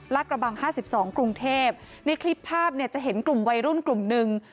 กระบังห้าสิบสองกรุงเทพในคลิปภาพเนี่ยจะเห็นกลุ่มวัยรุ่นกลุ่มหนึ่ง